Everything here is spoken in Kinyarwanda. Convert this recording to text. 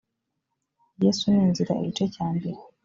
yesu ni inzira igice cya mbere